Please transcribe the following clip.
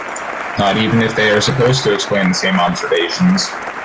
Not even if they are supposed to explain the same observations.